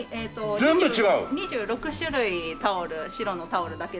２６種類タオル白のタオルだけで。